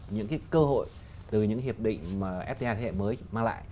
những cái cơ hội từ những hiệp định mà fta thế hệ mới mang lại